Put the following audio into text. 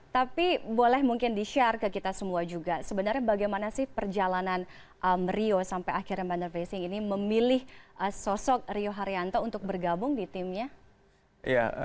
tapi boleh mungkin di share ke kita semua juga sebenarnya bagaimana sih perjalanan rio sampai akhirnya bandar racing ini memilih sosok rio haryanto untuk bergabung di timnya